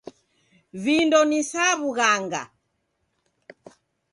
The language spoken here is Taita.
Vindo ni sa w'ughanga.